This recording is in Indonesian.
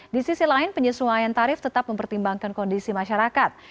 di sisi lain penyesuaian tarif tetap mempertimbangkan kondisi masyarakat